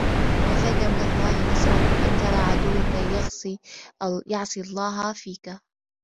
كَفَاك مِنْ اللَّهِ نَصْرًا أَنْ تَرَى عَدُوَّك يَعْصِي اللَّهَ فِيك